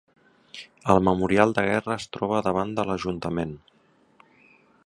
El Memorial de guerra es troba davant de l'Ajuntament.